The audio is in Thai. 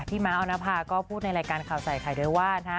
พี่ม้าออนภาก็พูดในรายการข่าวใส่ถ่ายด้วยว่า